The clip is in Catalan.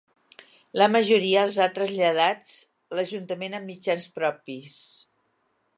La majoria els ha traslladats l’ajuntament amb mitjans propis.